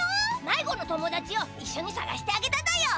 まいごの友だちをいっしょにさがしてあげただよ。